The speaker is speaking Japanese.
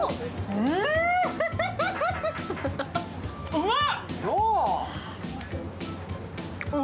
うまいっ！